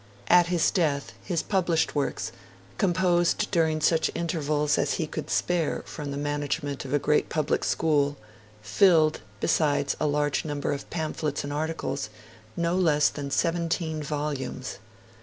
At his death, his published works, composed during such intervals as he could spare from the management of a great public school, filled, besides a large number of pamphlets and articles, no less than seventeen volumes.